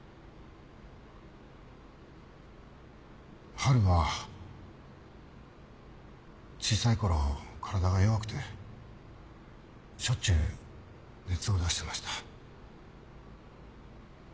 波琉は小さい頃体が弱くてしょっちゅう熱を出してました。